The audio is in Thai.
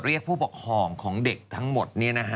เรียกผู้ปกครองของเด็กทั้งหมด